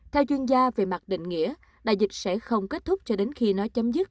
theo chuyên gia về mặt định nghĩa đại dịch sẽ không kết thúc cho đến khi nó chấm dứt